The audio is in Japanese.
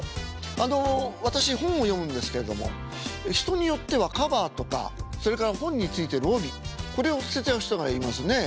あの私本を読むんですけれども人によってはカバーとかそれから本についてる帯これを捨てちゃう人がいますね。